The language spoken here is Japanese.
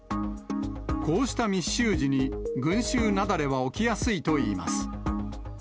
こうした密集時に群衆雪崩は起きやすいといいます。